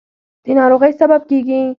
د ناروغۍ سبب کېږي.